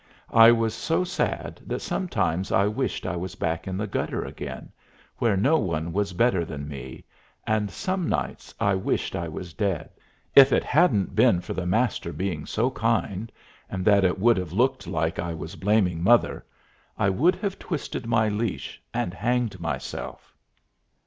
I was so sad that sometimes I wished I was back in the gutter again, where no one was better than me, and some nights I wished I was dead. If it hadn't been for the Master being so kind, and that it would have looked like I was blaming mother, I would have twisted my leash and hanged myself.